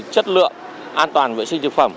chất lượng an toàn vệ sinh thực phẩm